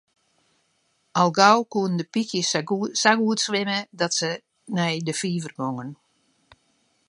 Al gau koenen de pykjes sa goed swimme dat se nei de fiver gongen.